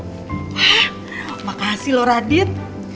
hah makasih lo radit